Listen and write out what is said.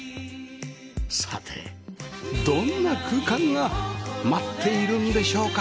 さてどんな空間が待っているんでしょうか？